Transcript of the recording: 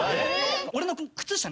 俺の靴下